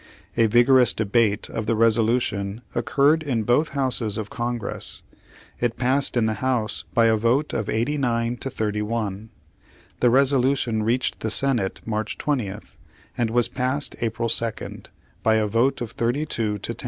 A vigorous debate of the resolution occurred in both Houses of Congress. It passed in the House by a vote of 89 to 31.* The resolution reached the Senate March 20th, and was passed April 2nd, by a vote of 32 to 10.